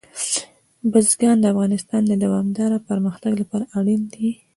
بزګان د افغانستان د دوامداره پرمختګ لپاره اړین دي.